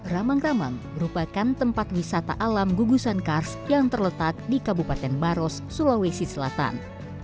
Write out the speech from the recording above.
ramang ramang merupakan tempat wisata alam gugusan kars yang terletak di kabupaten maros sulawesi selatan